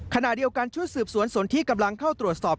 ขณะเดียวกันชุดสืบสวนสนที่กำลังเข้าตรวจสอบ